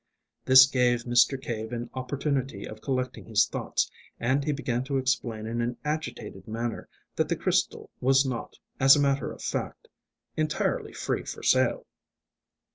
This gave Mr. Cave an opportunity of collecting his thoughts, and he began to explain in an agitated manner that the crystal was not, as a matter of fact, entirely free for sale.